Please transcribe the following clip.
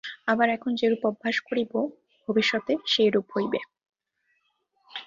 আবার এখন যেরূপ অভ্যাস করিব, ভবিষ্যতে সেইরূপ হইবে।